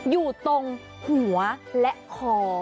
อยู่ตรงหัวและคอ